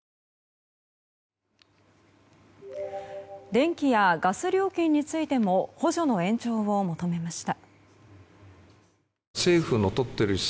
電気やガス料金についても補助の延長を求めました。